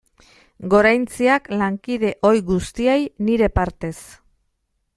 Goraintziak lankide ohi guztiei nire partez.